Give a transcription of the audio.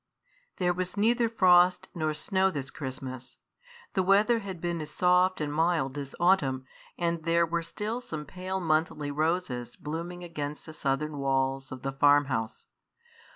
'" There was neither frost nor snow this Christmas. The weather had been as soft and mild as autumn, and there were still some pale monthly roses blooming against the southern walls of the farm house.